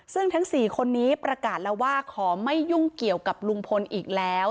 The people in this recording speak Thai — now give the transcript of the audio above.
ซึ่งทั้ง๔คนนี้ประกาศแล้วว่าขอไม่ยุ่งเกี่ยวกับลุงพลอีกแล้ว